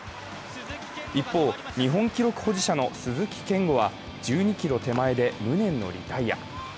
一方、日本記録保持者の鈴木健吾は１２ｋｍ手前で無念のリタイア。